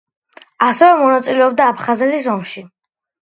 ასევე მონაწილეობდა აფხაზეთის ომში.